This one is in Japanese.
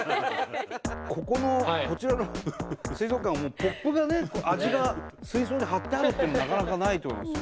ここのこちらの水族館はもうポップがね味が水槽に貼ってあるっていうのなかなかないと思いますよ。